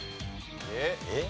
えっ？